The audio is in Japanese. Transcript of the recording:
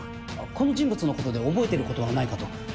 この人物のことで覚えてることはないかと。